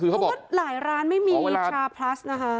เขาบอกว่าหลายร้านไม่มีชาพลัสนะคะ